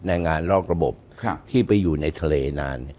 แรงงานนอกระบบที่ไปอยู่ในทะเลนาน